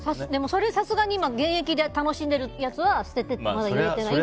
それ、さすがに現役で楽しんでるやつは捨ててって言えていない。